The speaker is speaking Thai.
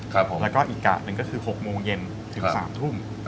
แล้วก็อีกกะหนึ่งก็คือ๖โมงเย็นถึง๓ทุ่ม